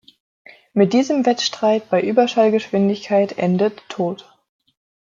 Mit diesem Wettstreit bei Überschallgeschwindigkeit endet "tot.